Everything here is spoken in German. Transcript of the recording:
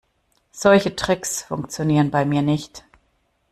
Solche Tricks funktionieren bei mir nicht.